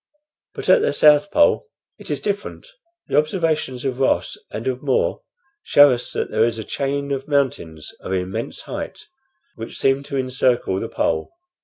But at the South Pole it is different. The observations of Ross and of More show us that there is a chain of mountains of immense height, which seem to encircle the pole.